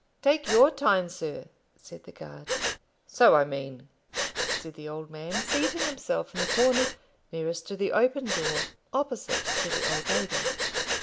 "Take your time, sir," said the guard. "So I mean," said the old man, seating himself in the corner nearest to the open door, opposite to the old lady.